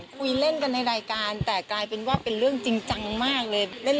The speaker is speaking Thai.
คุยเล่นกันในรายการแต่กลายเป็นว่าเป็นเรื่องจริงจังมากเลย